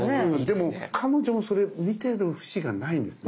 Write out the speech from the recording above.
でも彼女もそれ見てる節がないんです。